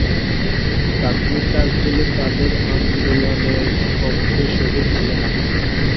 প্রাথমিক কাজগুলো তাদের আন্দোলনের পক্ষে সঠিক ছিল না।